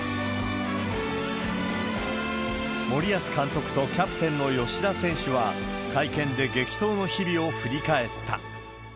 森保監督とキャプテンの吉田選手は、会見で激闘の日々を振り返った。